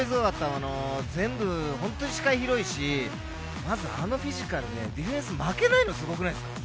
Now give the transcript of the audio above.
全部、視界広いし、まずあのフィジカルでディフェンスが負けないのがすごくないですか？